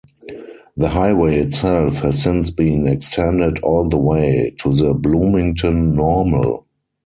The highway itself has since been extended all the way to the Bloomington-Normal.